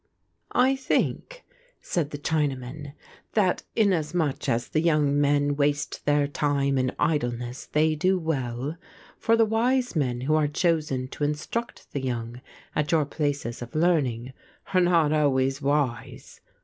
"I think," said the Chinaman, "that inasmuch as the young men waste their time in idleness they do well; for the wise men who are chosen to instruct the young at your places of learning, are not always wise.